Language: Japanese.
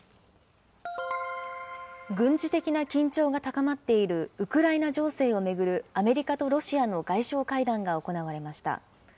軍事的な緊張が高まっているウクライナ情勢を巡るアメリカとロシアの外相会談が行われました。